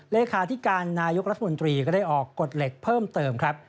เลขาธิการนายกรัฐมนตรีก็ได้ออกกฎเหล็กเพิ่มเติมครับ